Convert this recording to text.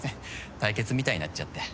対決みたいになっちゃって。